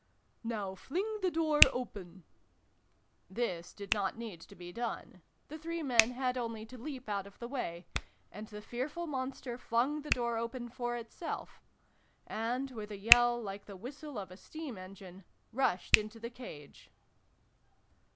" Now fling the door open! " This did not need to be done : the three men had only to leap out of the way, and the fearful monster flung the door open for itself, and, with a yell like the whistle of a steam engine, rushed into the cage.